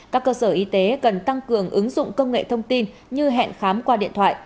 các cơ sở y tế cần tăng cường ứng dụng công nghệ thông tin như hẹn khám qua điện thoại